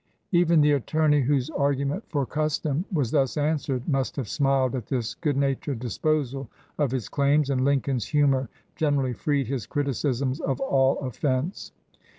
'' Even the attorney whose argument for custom was thus answered must have smiled at this good natured disposal of his claims, and Lincoln's humor generally freed his criticisms of all of fense.